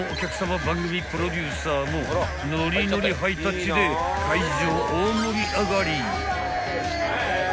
番組プロデューサーもノリノリハイタッチで会場大盛り上がり］